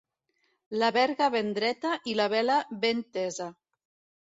La verga ben dreta i la vela ben tesa.